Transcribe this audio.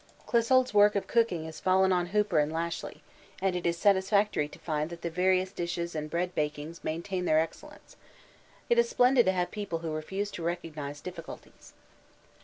Clissold's work of cooking has fallen on Hooper and Lashly, and it is satisfactory to find that the various dishes and bread bakings maintain their excellence. It is splendid to have people who refuse to recognise difficulties.